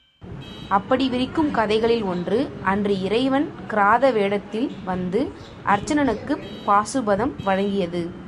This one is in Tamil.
அப்படி விரிக்கும் கதைகளில் ஒன்று அன்று இறைவன் கிராத வேடத்தில் வந்து அர்ச்சனனுக்குப் பாசுபதம் வழங்கியது.